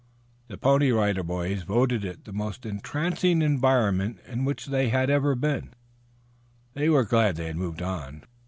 The Pony Rider Boys voted it the most entrancing environment in which they ever had been. They were glad they had moved on.